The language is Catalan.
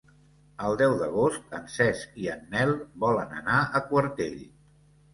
El deu d'agost en Cesc i en Nel volen anar a Quartell.